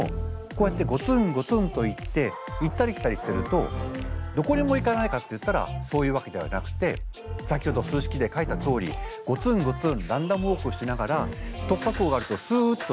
こうやってゴツンゴツンといって行ったり来たりしてるとどこにも行かないかっていったらそういうわけではなくて先ほど数式で書いたとおりゴツンゴツンランダムウォークしながら突破口があるとすっと行く。